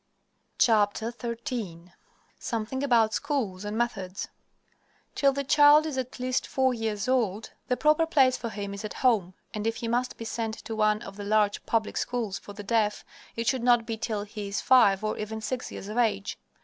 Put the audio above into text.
XIII SOMETHING ABOUT SCHOOLS AND METHODS Till the child is at least four years old, the proper place for him is at home, and if he must be sent to one of the large public schools for the deaf it should not be till he is five or even six years of age.